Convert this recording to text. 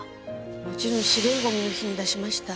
もちろん資源ゴミの日に出しました。